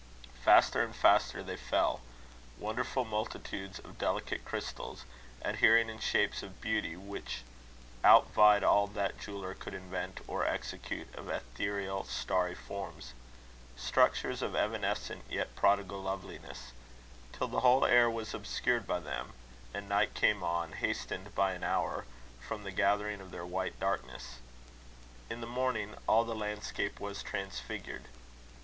Faster and faster they fell wonderful multitudes of delicate crystals, adhering in shapes of beauty which outvied all that jeweller could invent or execute of ethereal, starry forms, structures of evanescent yet prodigal loveliness till the whole air was obscured by them, and night came on, hastened by an hour, from the gathering of their white darkness. In the morning, all the landscape was transfigured.